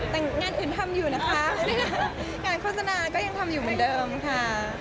แต่งงานอื่นทำอยู่นะคะการโฆษณาก็ยังทำอยู่เหมือนเดิมค่ะ